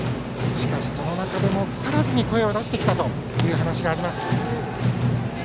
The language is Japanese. しかし、その中でも腐らずに声を出してきたという話があります。